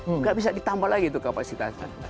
tidak bisa ditambah lagi itu kapasitasnya